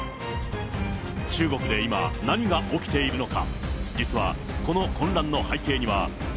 中国で今、何が起きているのか。